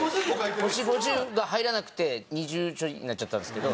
星５０が入らなくて２０ちょいになっちゃったんですけど。